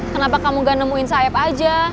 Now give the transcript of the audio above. kenapa kamu gak nemuin sayap aja